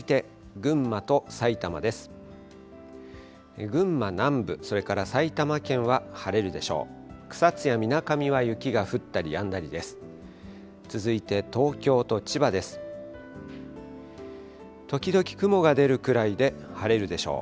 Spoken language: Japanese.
群馬南部、それから埼玉県は晴れるでしょう。